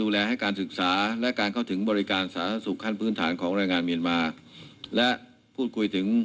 ที่หากสัมพันธ์ออกมาแล้ว